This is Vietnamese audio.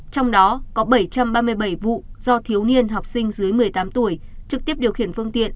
trong đó có bảy trăm ba mươi bảy vụ do thiếu niên học sinh dưới một mươi tám tuổi trực tiếp điều khiển phương tiện